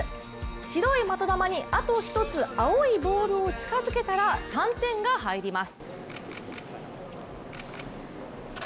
白い的球に、あと１つ青いボールを近づけたら３点が入ります。